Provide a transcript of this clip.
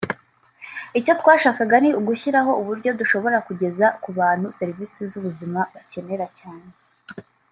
Icyo twashakaga ni ugushyiraho uburyo dushobora kugeza ku bantu serivisi z’ubuzima bakenera cyane